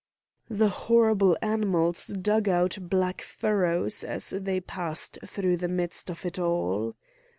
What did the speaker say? The horrible animals dug out black furrows as they passed through the midst of it all.